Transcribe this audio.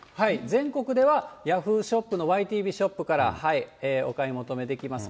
全国ではヤフーショップのｙｔｖショップからお買い求めできます。